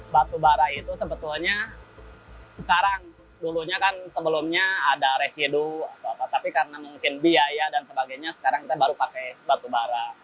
batu bara itu sebetulnya sekarang dulunya kan sebelumnya ada residu atau apa tapi karena mungkin biaya dan sebagainya sekarang kita baru pakai batubara